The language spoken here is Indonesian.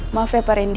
maaf ya pak randy